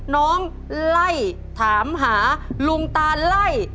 น้องไล่ถามหาลุงตาไล่